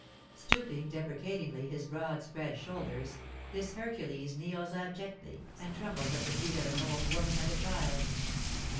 Stooping deprecatingly his broad spread shoulders, this Hercules kneels abjectly, and trembles at the feet of an old woman and a child!